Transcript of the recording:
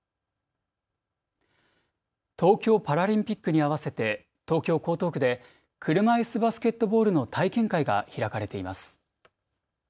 東京パラリンピックに合わせて東京江東区で車いすバスケットボールの体験会が開かれています。